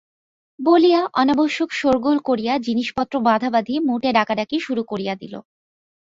বলিয়া অনাবশ্যক শোরগোল করিয়া জিনিসপত্র বাঁধাবাঁধি মুটে-ডাকাডাকি শুরু করিয়া দিল।